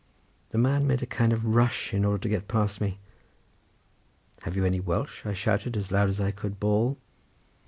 The man made a kind of rush in order to get past me. "Have you any Welsh?" I shouted as loud as I could bawl.